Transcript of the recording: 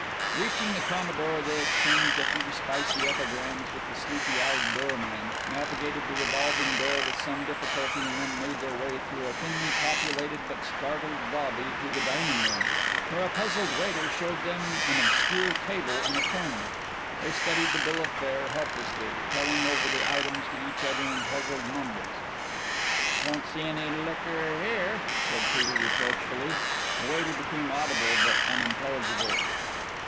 Reaching the Commodore, they exchanged a few spicy epigrams with the sleepy eyed doorman, navigated the revolving door with some difficulty, and then made their way through a thinly populated but startled lobby to the dining room, where a puzzled waiter showed them an obscure table in a corner. They studied the bill of fare helplessly, telling over the items to each other in puzzled mumbles. "Don't see any liquor here," said Peter reproachfully. The waiter became audible but unintelligible.